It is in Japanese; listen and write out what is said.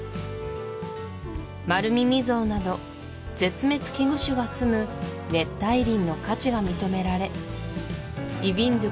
マルミミゾウなど絶滅危惧種がすむ熱帯林の価値が認められイヴィンドゥ